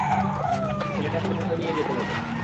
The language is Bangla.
ছেলেটাকে কোথাও নিয়ে যেতে হবে।